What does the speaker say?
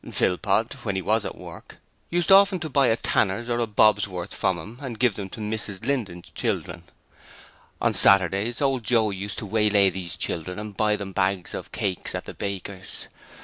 Philpot when he was at work used often to buy a tanner's or a bob's worth from him and give them to Mrs Linden's children. On Saturdays Old Joe used to waylay these children and buy them bags of cakes at the bakers.